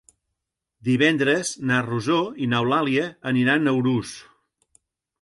Divendres na Rosó i n'Eulàlia aniran a Urús.